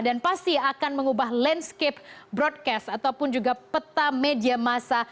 dan pasti akan mengubah landscape broadcast ataupun juga peta media masa